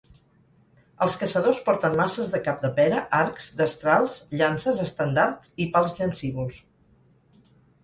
Els caçadors porten maces de cap de pera, arcs, destrals, llances, estendards i pals llancívols.